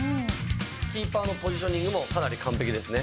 キーパーのポジショニングもかなり完璧ですね。